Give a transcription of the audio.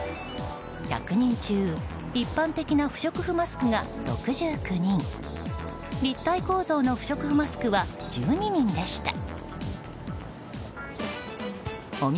１００人中一般的な不織布マスクが６９人立体構造の不織布マスクは１２人でした。